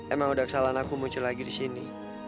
emang udah kesalahan aku muncul lagi disini